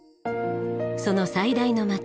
その最大の街